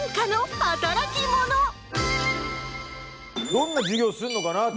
どんな授業をすんのかなと。